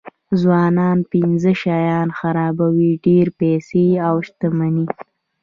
ځوانان پنځه شیان خرابوي ډېرې پیسې او شتمني.